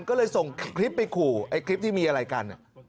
ก็เลยส่งคลิปไปขู่ไอ้คลิปที่มีอะไรกัน